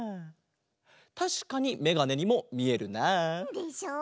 たしかにめがねにもみえるなあ。でしょう？